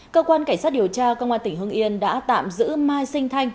cơ quan cảnh sát điều tra công an tỉnh hưng yên đã tạm giữ mai sinh thanh